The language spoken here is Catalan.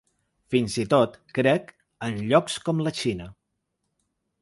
Fins i tot, crec, en llocs com la Xina.